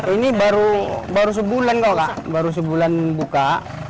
ini baru sebulan kok kak baru sebulan buka